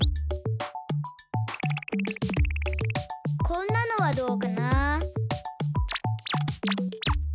こんなのはどうかな。